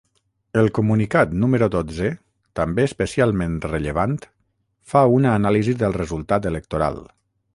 El comunicat número dotze, també especialment rellevant, fa una anàlisi del resultat electoral.